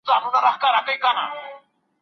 خدای تل د مظلومانو ږغ اوري.